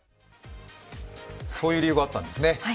そういう理由があったんですね。